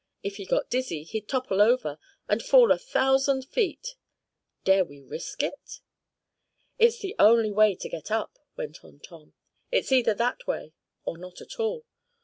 If he got dizzy, he'd topple over, and fall a thousand feet. Dare we risk it?" "It's the only way to get up," went on Tom. "It's either that way, or not at all.